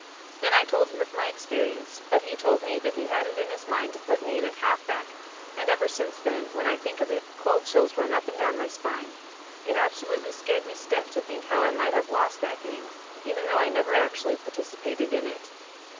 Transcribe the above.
Then I told him of my experience, but he told me he had it in his mind to put me in at halfback, and ever since then, when I think of it, cold chills run up and down my spine. It absolutely scared me stiff to think how I might have lost that game, even though I never actually participated in it.